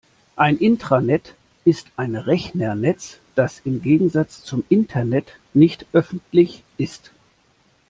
Ein Intranet ist ein Rechnernetz, das im Gegensatz zum Internet nicht öffentlich ist.